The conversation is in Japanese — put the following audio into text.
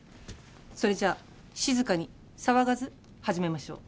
それじゃあ静かに騒がず始めましょう。